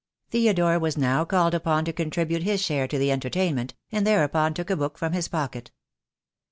Theodore was now called upon to contribute his share to the entertainment, and thereupon took a book from his pocket.